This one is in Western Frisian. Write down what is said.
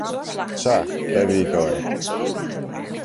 Sa, dêr wie ik al wer.